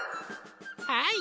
はい！